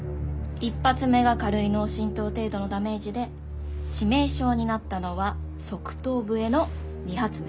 １発目が軽い脳震とう程度のダメージで致命傷になったのは側頭部への２発目。